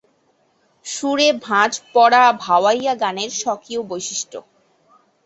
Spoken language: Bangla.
সুরে ভাঁজ পড়া ভাওয়াইয়া গানের স্বকীয় বৈশিষ্ট্য।